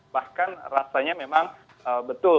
bahkan rasanya memang betul